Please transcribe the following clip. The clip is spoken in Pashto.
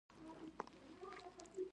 • د برېښنا مدیریت ته اړتیا ده.